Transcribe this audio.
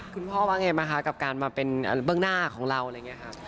คุณพ่อว่าไงบ้างคะกับการมาเป็นเบื้องหน้าของเราอะไรอย่างนี้ครับ